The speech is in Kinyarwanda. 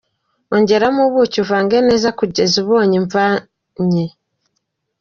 Ongeramo ubuki uvange neza kugeza ubonye imvanye